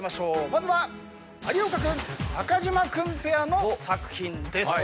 まずは有岡君・中島君ペアの作品です。